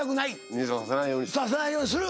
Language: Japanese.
認証させないようにする。